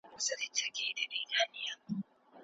په لاس لیکل د ځمکي پر سر د انسان د خلافت نښه ده.